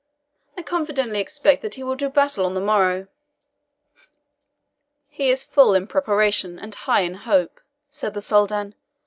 I confidently expect that he will do battle on the morrow." "He is full in preparation, and high in hope," said the Soldan.